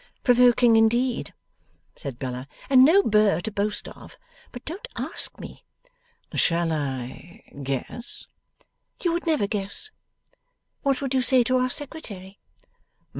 'Provoking indeed,' said Bella, 'and no burr to boast of! But don't ask me.' 'Shall I guess?' 'You would never guess. What would you say to our Secretary?